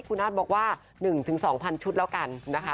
คุณอาร์ตบอกว่า๑๒๐๐ชุดแล้วกันนะคะ